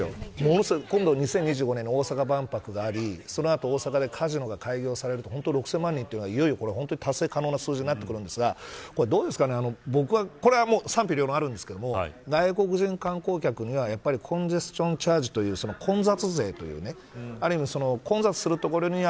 ２０２５年の大阪万博がありそのあと大阪でカジノが開業されると６０００万人がいよいよ達成可能な数字になってくるんですがこれは賛否両論あるんですけど外国人観光客にはコンジェスチョンチャージという混雑税という混雑するところには